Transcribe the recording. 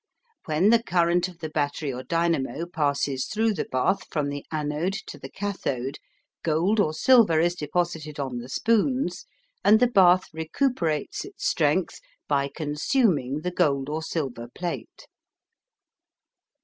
When the current of the battery or dynamo passes through the bath from the anode to the cathode, gold or silver is deposited on the spoons, and the bath recuperates its strength by consuming the gold or silver plate.